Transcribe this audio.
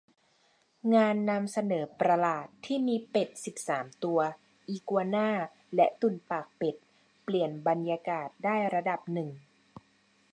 งานนำเสนอประหลาดที่มีเป็ดสิบสามตัว อีกัวน่า และตุ่นปากเป็ด เปลี่ยนบรรยากาศได้ระดับหนึ่ง